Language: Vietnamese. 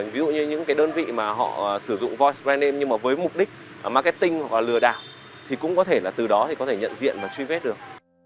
ví dụ như những cái đơn vị mà họ sử dụng voi brand name nhưng mà với mục đích marketing hoặc là lừa đảo thì cũng có thể là từ đó thì có thể nhận diện và truy vết được